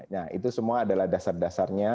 nah itu semua adalah dasar dasarnya